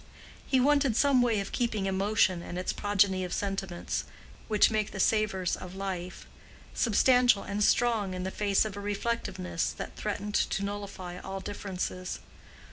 He wanted some way of keeping emotion and its progeny of sentiments—which make the savors of life—substantial and strong in the face of a reflectiveness that threatened to nullify all differences.